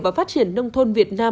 và phát triển nông thôn việt nam